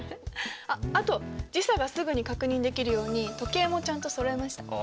あっあと時差がすぐに確認できるように時計もちゃんとそろえました。